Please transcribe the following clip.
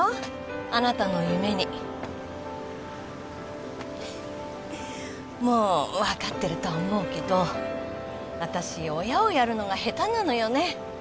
あなたの夢にもう分かってると思うけど私親をやるのが下手なのよね